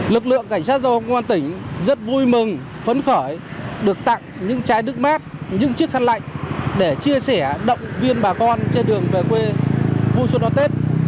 lực lượng cảnh sát giao thông quân tỉnh rất vui mừng phấn khởi được tặng những chai nước mát những chiếc khăn lạnh để chia sẻ động viên bà con trên đường về quê vui suốt đón tết